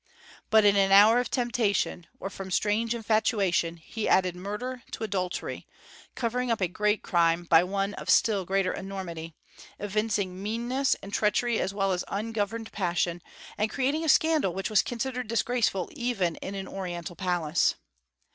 But in an hour of temptation, or from strange infatuation, he added murder to adultery, covering up a great crime by one of still greater enormity, evincing meanness and treachery as well as ungoverned passion, and creating a scandal which was considered disgraceful even in an Oriental palace.